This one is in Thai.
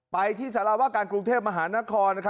ไปที่สารวาการกรุงเทพมหานคร